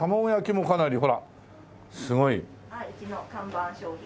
はいうちの看板商品。